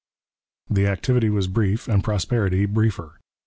The activity was brief and prosperity briefer.